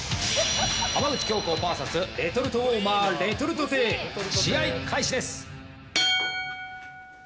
浜口京子ＶＳレトルトウォーマーレトルト亭試合開始です。